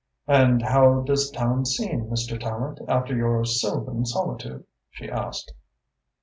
"And how does town seem, Mr. Tallente, after your sylvan solitude?" she asked.